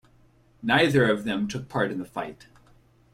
Neither of them took part in the fight.